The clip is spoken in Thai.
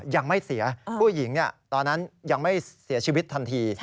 ยังไม่เสียผู้หญิงตอนนั้นยังไม่เสียชีวิตทันที